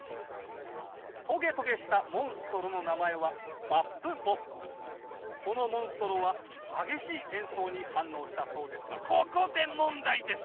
トゲトゲしたモンストロの名前はこのモンストロは激しい演奏に反応したそうですがここで問題です！